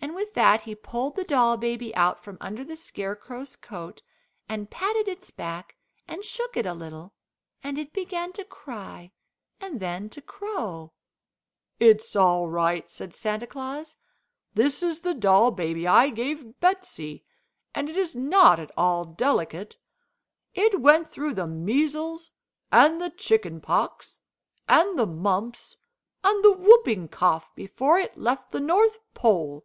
And with that he pulled the doll baby out from under the Scarecrow's coat, and patted its back, and shook it a little, and it began to cry, and then to crow. "It's all right," said Santa Claus. "This is the doll baby I gave Betsey, and it is not at all delicate. It went through the measles, and the chicken pox, and the mumps, and the whooping cough, before it left the North Pole.